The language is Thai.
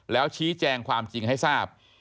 แล้วชี้แจงความจริงให้ทราบ